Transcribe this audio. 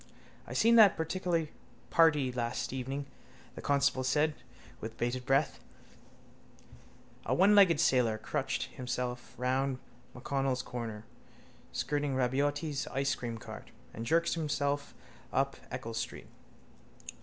—I seen that particular party last evening, the constable said with bated breath. A onelegged sailor crutched himself round MacConnell's corner, skirting Rabaiotti's icecream car, and jerked himself up Eccles street.